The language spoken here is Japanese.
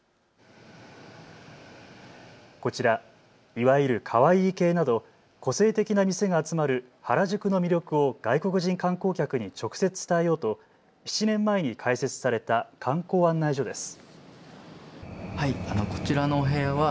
こちら、いわゆるカワイイ系など個性的な店が集まる原宿の魅力を外国人観光客に直接伝えようと７年前に開設された観光案内所です。